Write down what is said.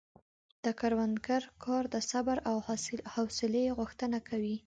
د کروندګر کار د صبر او حوصلې غوښتنه کوي.